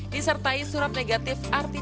disertai surat penumpang yang belum dilakukan